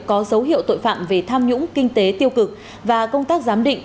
có dấu hiệu tội phạm về tham nhũng kinh tế tiêu cực và công tác giám định